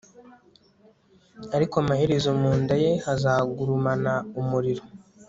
ariko amaherezo mu nda ye hazagurumana umuriro